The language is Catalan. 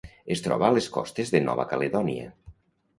Es troba a les costes de Nova Caledònia.